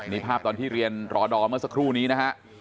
นี่ภาพตอนที่เรียนรอดอเมื่อสักครู่นี้นะฮะ